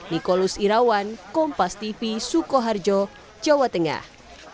nikolus irawan kompas tv sukoharjo jawa tengah